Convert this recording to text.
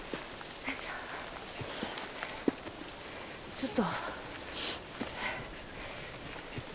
ちょっと。